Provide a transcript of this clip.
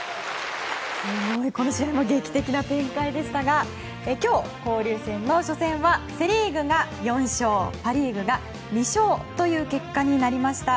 この試合も劇的な展開でしたが今日、交流戦の初戦はセ・リーグが４勝パリーグが２勝という結果になりました。